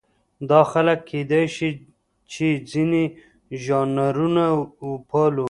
دا څنګه کېدای شي چې ځینې ژانرونه پالو.